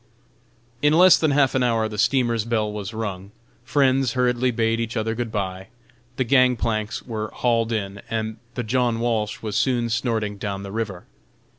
In less than half an hour the steamer's bell was rung, friends hurriedly bade each other good bye, the gang planks were hauled in, and the John Walsh was soon snorting down the river.